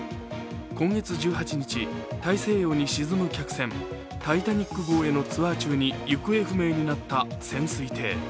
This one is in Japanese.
今月１８日、大西洋に沈む客船「タイタニック」号へのツアー中に行方不明となった潜水艇。